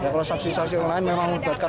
kalau saksi saksi yang lain memang melibatkan